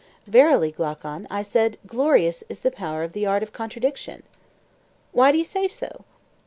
Verily, Glaucon, I said, glorious is the power of the art of contradiction! Why do you say so?